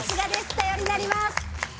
頼りになります。